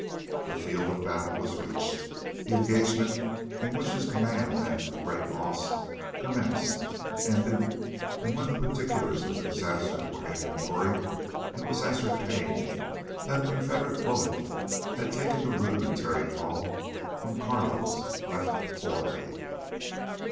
The field of battle was reached; the engagement, in which his command met with a great loss, commenced and ended, and, when the particulars of the disaster were inventoried, it was ascertained that a Confederate bullet had taken the rudimentary claw from Carlo's left fore leg.